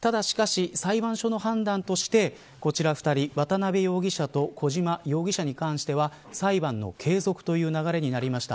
ただ、しかし裁判所の判断としてこちら２人、渡辺容疑者と小島容疑者に関しては裁判の継続という流れになりました。